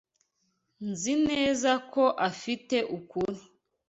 Nzi neza ko afite ukuri.